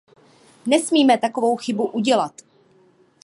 Nesmíme takovouto chybu udělat.